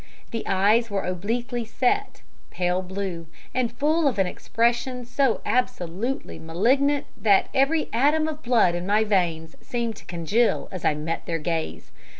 The eyes were obliquely set, pale blue, and full of an expression so absolutely malignant that every atom of blood in my veins seemed to congeal as I met their gaze.